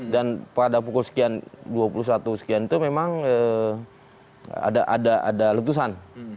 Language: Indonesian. dan pada pukul sekian dua puluh satu sekian itu memang ada letusan